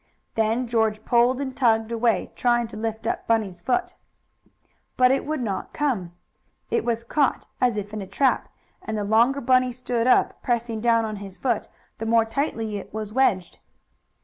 Then George pulled and tugged away, trying to lift up Bunny's foot. But it would not come. It was caught, as if in a trap, and the longer Bunny stood up, pressing down on his foot, the more tightly it was wedged.